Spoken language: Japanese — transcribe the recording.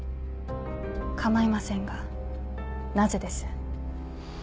構いませんがなぜです？